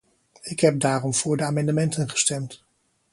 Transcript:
Ik heb daarom voor de amendementen gestemd.